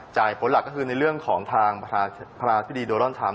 จ่ายผลหลักก็คือในเรื่องของทางพระพิธีโดดรณธรรม